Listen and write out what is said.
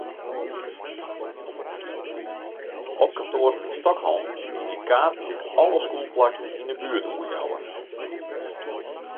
Op kantoaren yn Stockholm hingje kaarten dy’t alle skûlplakken yn ’e buert oanjouwe.